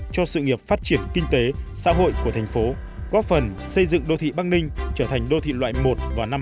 cho sự nghiệp phát triển kinh tế xã hội của thành phố góp phần xây dựng đô thị băng ninh trở thành đô thị loại một vào năm hai nghìn ba mươi